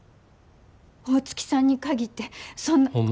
大月さんに限ってそんな。